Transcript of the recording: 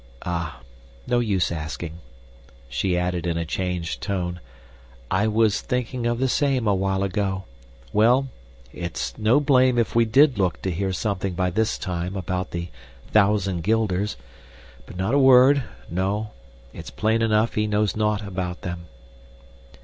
Ah, no use asking," she added in a changed tone. "I was thinking of the same a while ago. Well, it's no blame if we DID look to hear something by this time about the thousand guilders but not a word no it's plain enough he knows naught about them."